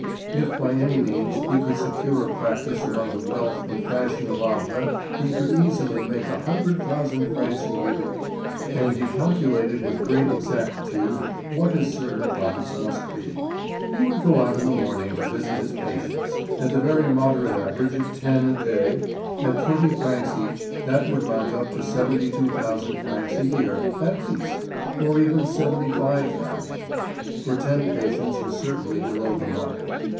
If by any means he could secure a practice among the wealth and fashion of Havre, he could easily make a hundred thousand francs a year. And he calculated with great exactitude what his certain profits must be. He would go out in the morning to visit his patients; at the very moderate average of ten a day, at twenty francs each, that would mount up to seventy two thousand francs a year at least, or even seventy five thousand; for ten patients was certainly below the mark.